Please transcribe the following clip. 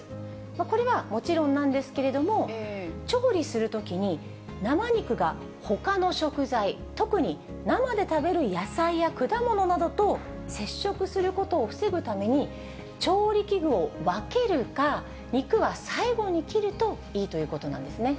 これはもちろんなんですけれども、調理するときに、生肉がほかの食材、特に生で食べる野菜や果物などと接触することを防ぐために、調理器具を分けるか、肉は最後に切るといいということなんですね。